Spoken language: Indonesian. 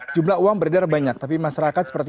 jumlah uang berdarah banyak tapi masyarakat